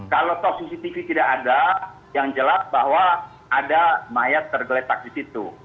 kalau toh cctv tidak ada yang jelas bahwa ada mayat tergeletak di situ